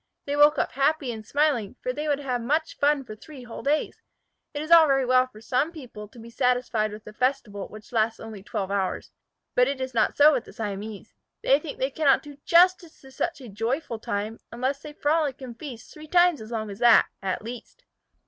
They woke up happy and smiling, for they would have much fun for three whole days. It is all very well for some people to be satisfied with a festival which lasts only twelve hours, but it is not so with the Siamese. They think they cannot do justice to such a joyful time unless they frolic and feast three times as long as that, at least.